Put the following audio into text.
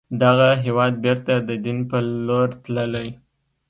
دغه هېواد بیرته د دين پر لور تللی